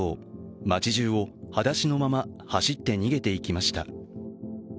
街中を裸足のまま走って逃げていきました。